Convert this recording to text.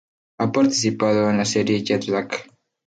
Ha participado en la serie Jet lag.